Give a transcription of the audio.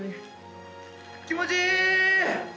気持ちいい！